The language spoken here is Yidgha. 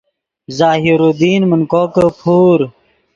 ظاہر الدین من کوکے پور